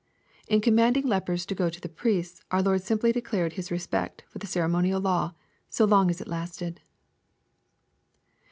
In com manding lepers to go to the priests, our Lord simply declared His respect for the ceremonial law, so long as it lasted.